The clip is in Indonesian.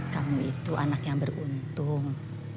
kamu itu anak yang beruntung